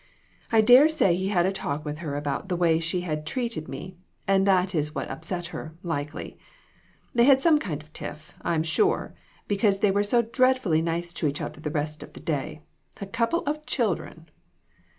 I dare say he had a talk with her about the way she had treated me, and that is what upset her, likely. They had some kind of a tiff, I'm sure, because they were so dreadfully nice to each other the rest of the day. A couple of children